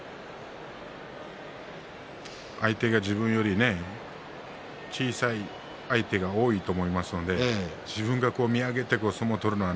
相手が自分より小さい相手が多いと思いますので自分が見上げて相撲を取るのは